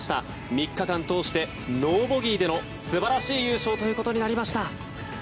３日間通してノーボギーでの素晴らしい優勝ということになりました。